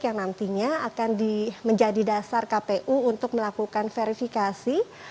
yang nantinya akan menjadi dasar kpu untuk melakukan verifikasi